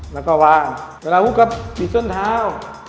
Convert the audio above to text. แล้วก็วางเวลาวุกก็ปิดส้นเท้า